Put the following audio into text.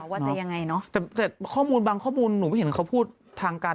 ค่ะถูกไหมครับแต่ข้อมูลบางข้อมูลหนูไม่เห็นเขาพูดทางการ